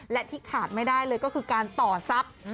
และที่ขาดไม่ได้เลยก็คือการต่อทรัพย์